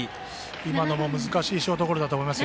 今のも難しいショートゴロだと思います。